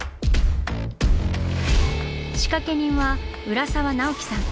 仕掛け人は浦沢直樹さん。